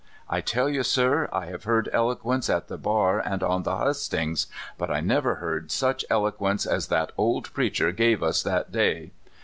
I tell you, sir, I have heard eloquence at the bar and on the hustings, but I never heard such elo quence as that old preacher gave us that day.